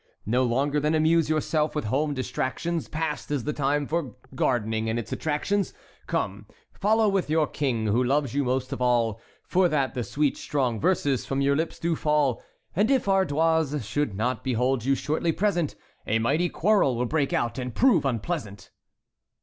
"No longer then amuse yourself with home distractions; Past is the time for gardening and its attractions. Come, follow with your King, who loves you most of all, For that the sweet strong verses from your lips do fall. And if Ardoise shall not behold you shortly present, A mighty quarrel will break out and prove unpleasant!"